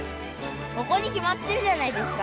ここにきまってるじゃないですか。